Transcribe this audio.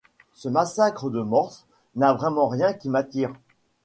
Ce massacre de morses n’a vraiment rien qui m’attire !